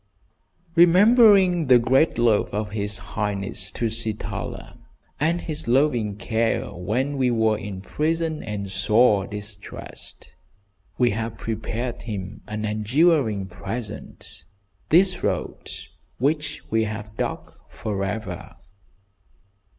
" "Remembering the great love of his highness, Tusitala, and his loving care when we were in prison and sore distressed, we have prepared him an enduring present, this road which we have dug for ever."